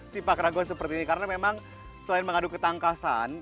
sipak raguan seperti ini karena memang selain mengadu ketangkasan